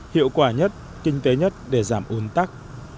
hiệu quả nhất kinh tế nhất để giảm un tắc